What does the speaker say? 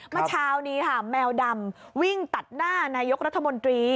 เมื่อเช้านี้ค่ะแมวดำวิ่งตัดหน้านายกรัฐมนตรี